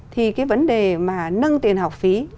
thì cái vấn đề mà nâng tiền học phí